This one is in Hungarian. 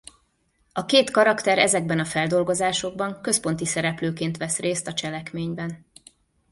A két karakter ezekben a feldolgozásokban központi szereplőként vesz részt a cselekményben.